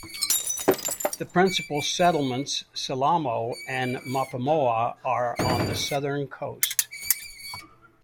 The principal settlements, Salamo and Mapamoiwa, are on the southern coast.